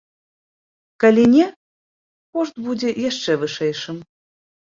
Калі не, кошт будзе яшчэ вышэйшым.